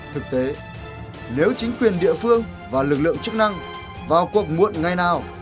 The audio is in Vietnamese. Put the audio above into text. thực tế nếu chính quyền địa phương và lực lượng chức năng vào cuộc muộn ngày nào